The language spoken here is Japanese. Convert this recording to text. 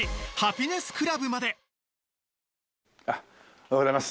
おはようございます。